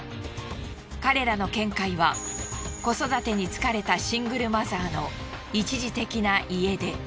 彼らの見解は子育てに疲れたシングルマザーの一時的な家出。